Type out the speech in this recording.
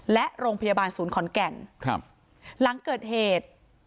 และโรงพยาบาลศูนย์ขอนแก่นครับหลังเกิดเหตุ